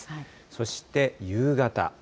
そして夕方。